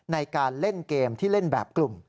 ในการเล่นเกมที่เล่นแบบกลุ่ม